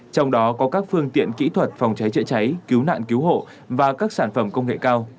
trong đó có các phương tiện kỹ thuật phòng cháy chữa cháy cứu nạn cứu hộ và các sản phẩm công nghệ cao